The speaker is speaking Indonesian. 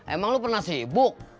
emang lo pernah sibuk